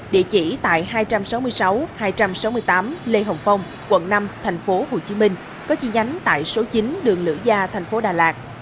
địa chỉ tại hai trăm sáu mươi sáu hai trăm sáu mươi tám lê hồng phong quận năm tp hcm có chi nhánh tại số chín đường lửa gia tp đà lạt